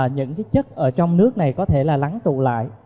những cái chất ở trong nước này có thể là lắng tụ lại